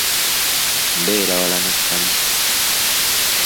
Mbeera wala n'ekkanisa.